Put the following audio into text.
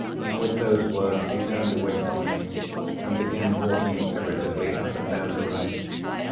With those words he turned away from me, and began walking irritably up and down the room.